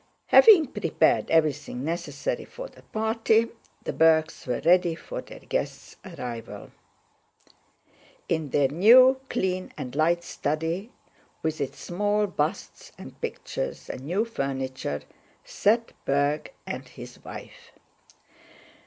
Having prepared everything necessary for the party, the Bergs were ready for their guests' arrival. In their new, clean, and light study with its small busts and pictures and new furniture sat Berg and his wife.